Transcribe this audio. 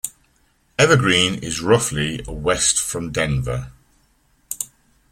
Evergreen is roughly west from Denver.